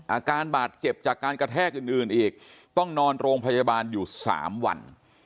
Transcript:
อาการบาดเจ็บจากการกระแทกอื่นอีกต้องนอนโรงพยาบาลอยู่๓วัน